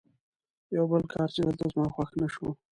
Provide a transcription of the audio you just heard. یو بل کار چې دلته زما خوښ نه شو.